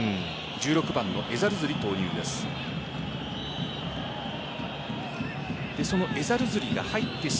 １６番のエザルズリ投入です。